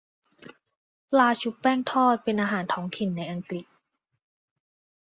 ปลาชุบแป้งทอดเป็นอาหารท้องถิ่นในอังกฤษ